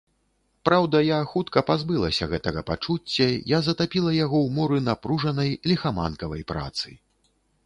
Праўда, я хутка пазбылася гэтага пачуцця, я затапіла яго ў моры напружанай, ліхаманкавай працы.